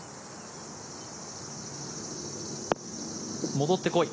戻ってこい。